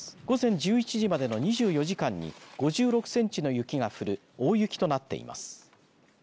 午前１１時までの２４時間に５６センチの雪が降る大雪となっています。